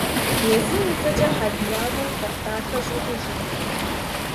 Езым и цӀэкӀэ хьэтиякӀуэм хъуэхъу дахэ щӀигъужырт.